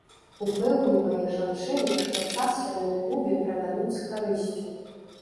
Упэўнівае жанчына, што час яны ў клубе правядуць з карысцю.